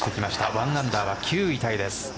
１アンダーは９位タイです。